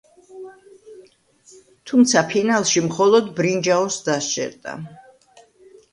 თუმცა ფინალში მხოლოდ ბრინჯაოს დასჯერდა.